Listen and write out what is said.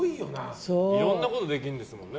いろんなことできるんですもんね。